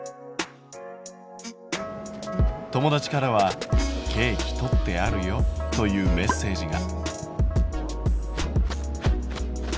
友達からは「ケーキとってあるよ」というメッセージが。